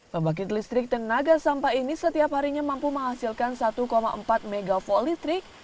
pembangkit listrik tenaga sampah ini setiap harinya mampu menghasilkan satu empat megawatt listrik